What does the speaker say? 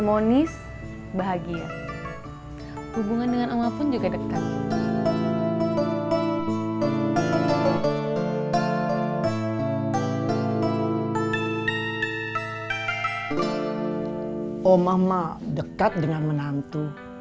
oh mama dekat dengan menantu